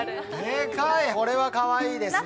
でかい、これはかわいいですね。